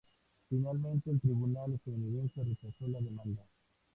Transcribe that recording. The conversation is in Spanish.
Finalmente el tribunal estadounidense rechazó la demanda.